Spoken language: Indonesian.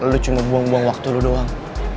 lo cuma buang dua waktu lo doang